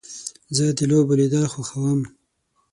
زه د لوبو لیدل خوښوم.